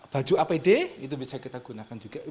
baju apd itu bisa kita gunakan juga